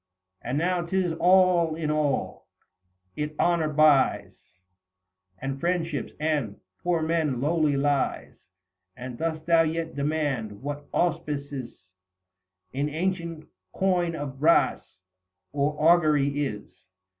And now 'tis all in all ; it honour buys And friendships, and, the poor man lowly lies : And dost thou yet demand, what auspices In ancient coin of brass, or augury is